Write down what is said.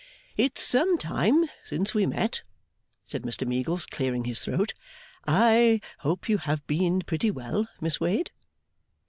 'It's some time since we met,' said Mr Meagles, clearing his throat; 'I hope you have been pretty well, Miss Wade?